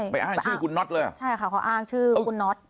ไปอ้างชื่อคุณน็อตเลยเหรอใช่ค่ะเขาอ้างชื่อคุณน็อต